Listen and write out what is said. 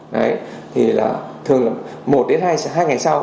đấy thì là thường một đến hai ngày sau